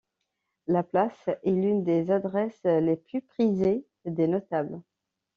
La place est l'une des adresses les plus prisée des notables.